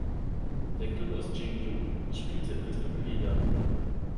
Der Klub aus Gyeongju spielte in der dritten Liga.